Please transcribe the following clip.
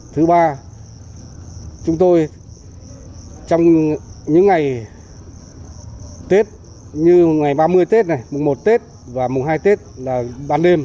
thứ ba chúng tôi trong những ngày tết như ngày ba mươi tết này mùng một tết và mùng hai tết là ban đêm